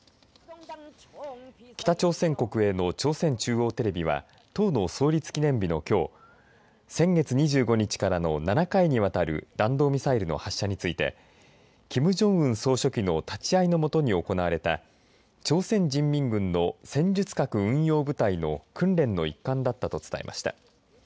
北朝鮮国営の朝鮮中央テレビは党の創立記念日のきょう先月２５日からの７回にわたる弾道ミサイルの発射についてキム・ジョンウン総書記の立ち会いの下に行われた朝鮮人民軍の戦術核運用部隊の訓練の一環だったと伝えました。